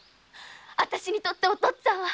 あたしにとってお父っつぁんは。